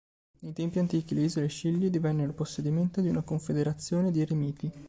Nei tempi antichi, le Isole Scilly divennero possedimento di una confederazione di eremiti.